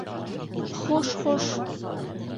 Хуш, хуш.